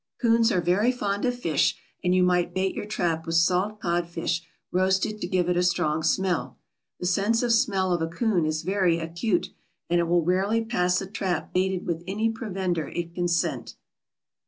Coons are very fond of fish, and you might bait your trap with salt cod fish roasted to give it a strong smell. The sense of smell of a coon is very acute, and it will rarely pass a trap baited with any provender it can scent.